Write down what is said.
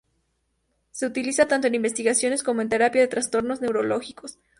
Se utiliza tanto en investigación como en terapia de trastornos neurológicos.